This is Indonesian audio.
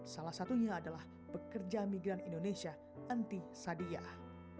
salah satunya adalah pekerja migran indonesia anti sadiyah